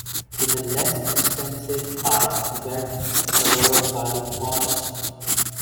Even less extensive are "wet sclerophyll" forests.